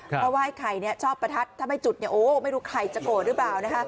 เพราะไหว้ไข่เนี่ยชอบประทัดถ้าไม่จุดเนี่ยโอ้ไม่รู้ไข่จะโกรธหรือเปล่านะคะ